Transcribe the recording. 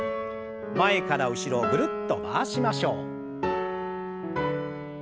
前から後ろぐるっと回しましょう。